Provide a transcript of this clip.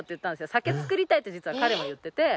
酒造りたいって実は彼も言ってて。